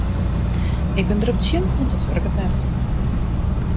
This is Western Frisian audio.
Ik bin derop tsjin want it wurket net.